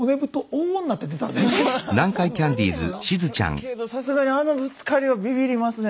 けどさすがにあのぶつかりはビビりますね。